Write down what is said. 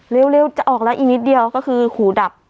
เร็วจะออกแล้วอีกนิดเดียวก็คือหูดับ